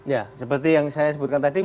ya seperti yang saya sebutkan tadi